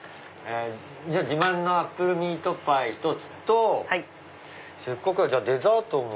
じゃあ自慢のアップルミートパイ１つとせっかくだからデザートも。